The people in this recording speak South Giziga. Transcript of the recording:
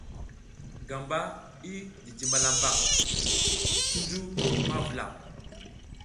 Gamba i jiji malamba cuncu ma vula.